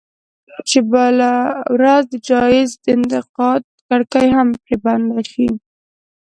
چې بله ورځ د جايز انتقاد کړکۍ هم پرې بنده شي.